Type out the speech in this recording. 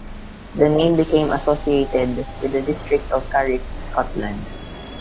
The name became associated with the district of Carrick, Scotland.